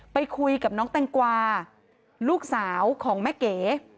ไปคุยกับน้องแตงกวาลูกสาวของแม่เก๋